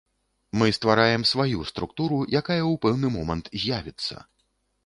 Мы ствараем сваю структуру, якая ў пэўны момант з'явіцца.